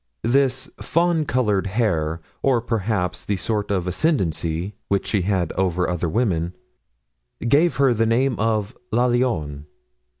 This fawn colored hair, or, perhaps the sort of ascendancy which she had over other women, gave her the name of "La Lionne."